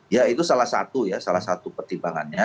ya itu salah satu ya salah satu pertimbangannya